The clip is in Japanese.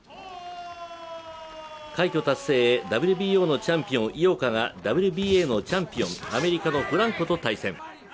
快挙達成へ、ＷＢＯのチャンピオン・井岡がＷＢＡのチャンピオン、アメリカのフランコと対戦。